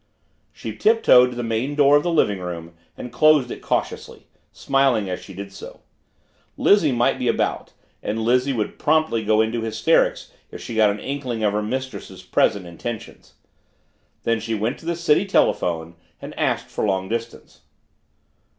She tiptoed to the main door of the living room and closed it cautiously, smiling as she did so. Lizzie might be about and Lizzie would promptly go into hysterics if she got an inkling of her mistress's present intentions. Then she went to the city telephone and asked for long distance.